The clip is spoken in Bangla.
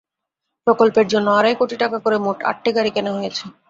প্রকল্পের জন্য আড়াই কোটি টাকা করে মোট আটটি গাড়ি কেনা হয়েছে।